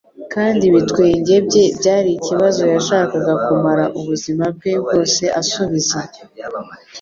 kandi ibitwenge bye byari ikibazo yashakaga kumara ubuzima bwe bwose asubiza.”